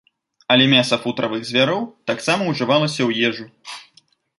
Але мяса футравых звяроў таксама ўжывалася ў ежу.